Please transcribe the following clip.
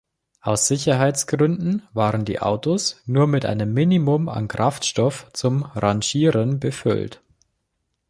Aus Sicherheitsgründen waren die Autos nur mit einem Minimum an Kraftstoff zum Rangieren befüllt.